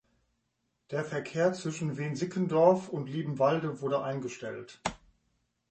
Der Verkehr zwischen Wensickendorf und Liebenwalde wurde eingestellt.